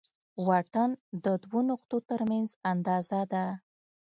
واټن د دوو نقطو تر منځ اندازه ده.